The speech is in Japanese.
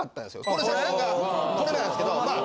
この写真がこれなんですけどまあ